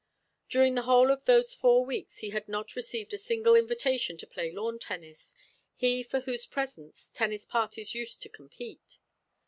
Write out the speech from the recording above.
During the whole of those four weeks he had not received a single invitation to play lawn tennis, he for whose presence tennis parties used to compete.